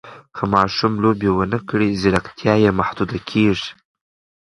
که ماشوم لوبې ونه کړي، ځیرکتیا یې محدوده کېږي.